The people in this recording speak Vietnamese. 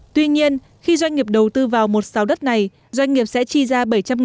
tuy nhiên khi doanh nghiệp đầu tư vào một sáo đất này doanh nghiệp sẽ chi ra bảy trăm linh